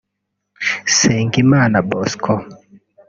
Nsengimana Bosco